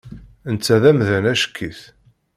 Netta d amdan acek-it.